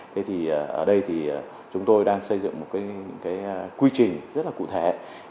thế thì ở đây thì chúng tôi đang xây dựng một cái quy trình rất là cụ thể